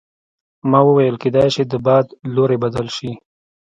ما وویل کیدای شي د باد لوری بدل شي.